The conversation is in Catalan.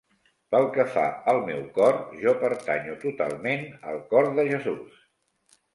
Pel que fa al meu cor, jo pertanyo totalment al Cor de Jesús.